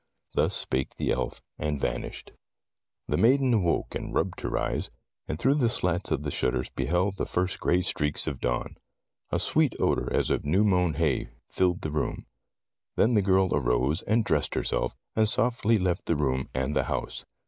'' Thus spake the elf, and vanished. 22 Tales of Modern Germany The maiden awoke and rubbed her eyes, and through the slats of the shutters beheld the first gray streaks of dawn. A sweet odor as of new mown hay filled the room. Then the girl arose and dressed herself, and softly left the room and the house.